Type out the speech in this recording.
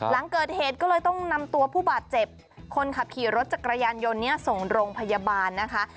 หลังเกิดเหตุก็เลยต้องนำตัวผู้บาดเจ็บคนขับขี่รถจักรยานยนต์นี้ส่งโรงพยาบาลนะคะ